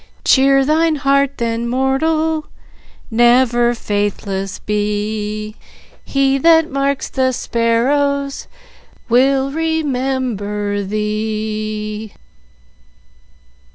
Cheer thine heart, then, mortal, never faithless be, He that marks the sparrows will remember thee."